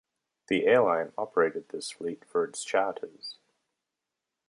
The airline operated this fleet for its charters.